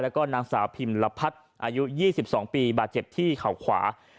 แล้วก็นางสาวพิมลพัฒน์อายุ๒๒ปีบาดเจ็บที่เข่าขวา